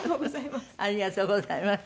ありがとうございます。